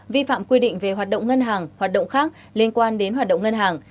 vi phạm quy định về hoạt động ngân hàng hoạt động khác liên quan đến hoạt động ngân hàng